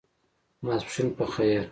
ماسپښېن په خیر !